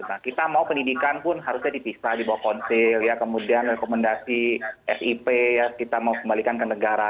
nah kita mau pendidikan pun harusnya dipisah di bawah konsil ya kemudian rekomendasi sip ya kita mau kembalikan ke negara